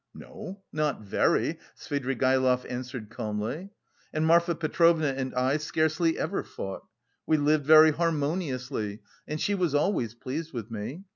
"No, not very," Svidrigaïlov answered, calmly. "And Marfa Petrovna and I scarcely ever fought. We lived very harmoniously, and she was always pleased with me.